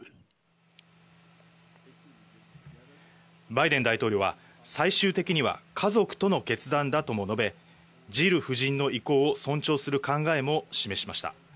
バイデン大統領は最終的には家族との決断だとも述べ、ジル夫人の意向を尊重する考えも示しました。